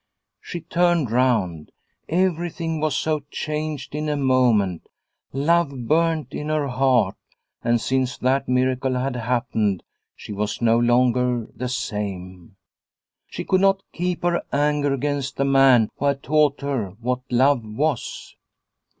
She turned round. Everything was so changed in a moment. Love burnt in her heart and since that miracle had happened she was no longer the same. She could not keep her anger against the man who had taught her what love was.